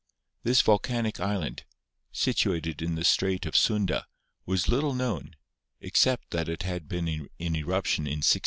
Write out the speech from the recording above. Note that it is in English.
This volcanic island, situated in the Strait of Sunda, was little known, except that it had been in eruption in 1680.